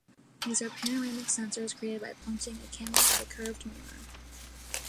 These are panoramic sensors created by pointing a camera at a curved mirror.